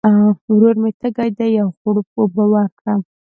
ورور مي تږی دی ، یو غوړپ اوبه ورکړه !